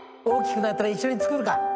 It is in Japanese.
大きくなったら一緒に作るか。